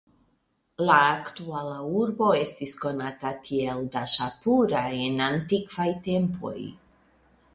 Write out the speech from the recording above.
La aktuala urbo estis konata kiel Daŝapura en antikvaj tempoj.